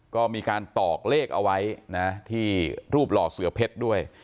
ก็มีการตอกเลขเอาไว้นะที่รูปหล่อเสือเพชรด้วย